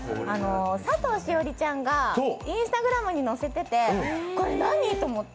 佐藤栞里ちゃんがＩｎｓｔａｇｒａｍに載せててこれ何？と思って